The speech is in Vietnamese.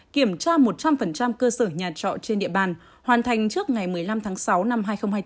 kiểm tra một trăm linh cơ sở nhà trọ trên địa bàn hoàn thành trước ngày một mươi năm tháng sáu năm hai nghìn hai mươi bốn